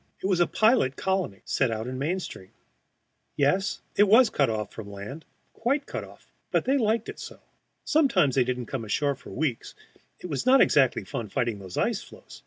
It was a pilot colony, set out in midstream. Yes, it was cut off from the land, quite cut off; they liked it so. Sometimes they didn't come ashore for weeks; it was not exactly fun fighting those ice floes.